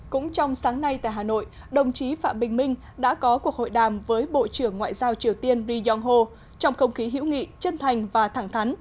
cũng trong sáng nay tại hà nội đồng chí phạm bình minh đã có cuộc hội đàm với bộ trưởng ngoại giao triều tiên ri yong ho trong không khí hữu nghị chân thành và thẳng thắn